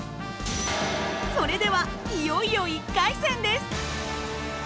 それではいよいよ１回戦です！